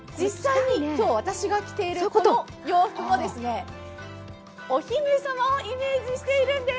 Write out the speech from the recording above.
実際に今日、私が着ているこの洋服もお姫様をイメージしてるんです。